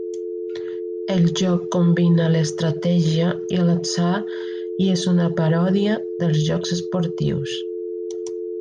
El joc combina l'estratègia i l'atzar i és una paròdia dels jocs esportius.